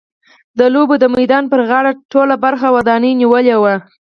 د لوبو د میدان پر غاړه ټوله برخه ودانیو نیولې وه.